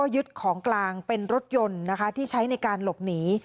ยึดของกลางเป็นรถยนต์ที่ใช้ในการหลบหนี